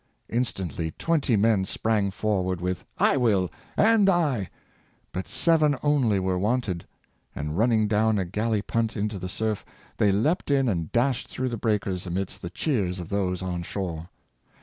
Instantly twenty men sprang for ward with " I will," " and I." But seven only were wanted; and running down a galley punt into the surf, they leaped in and dashed through the breakers, amidst the cheers of those on shore.